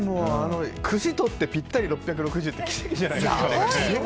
串をとってぴったり６６０って奇跡じゃないですか。